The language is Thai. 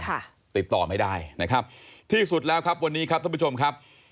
ค่ะติดต่อไม่ได้ที่สุดแล้วคับวันนี้ค่ะท่านผู้ชมค่ะ